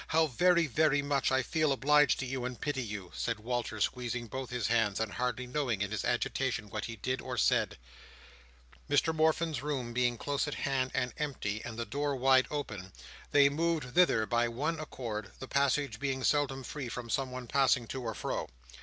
How very, very much, I feel obliged to you and pity you!" said Walter, squeezing both his hands, and hardly knowing, in his agitation, what he did or said. Mr Morfin's room being close at hand and empty, and the door wide open, they moved thither by one accord: the passage being seldom free from someone passing to or fro.